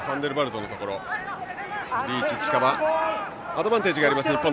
アドバンテージがあります、日本。